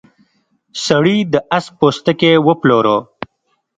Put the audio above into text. سړي د اس پوستکی وپلوره.